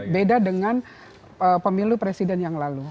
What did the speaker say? beda dengan pemilu presiden yang lalu